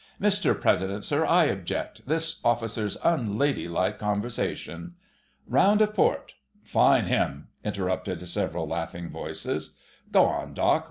"Mr President, sir, I object—this Officer's unladylike conversation." "Round of port—fine him!" interrupted several laughing voices. "Go on, Doc.